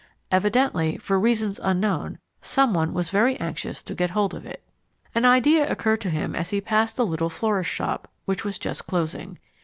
Evidently, for reasons unknown, someone was very anxious to get hold of it. An idea occurred to him as he passed the little florist's shop, which was just closing.